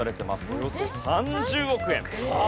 およそ３０億円！